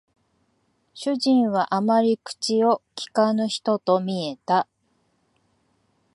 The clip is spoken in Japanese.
主人はあまり口を聞かぬ人と見えた